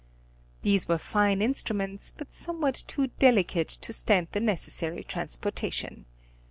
These were fine instruments, but somewhat too delicate to stand the necessary transportation.